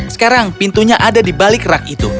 sekarang pintunya ada di balik rak itu